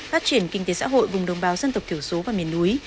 phát triển kinh tế xã hội vùng đồng bào dân tộc thiểu số và miền núi